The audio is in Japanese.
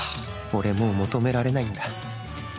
俺はもう、求められないんだ。